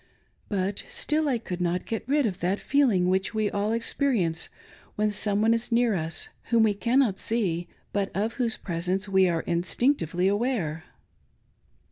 But still I could not get rid of that feeling which we all experience when some one is near us whom we cannot see but of whose presence we are instinct ively aware.